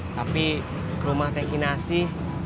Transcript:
tapi rumah teki nasi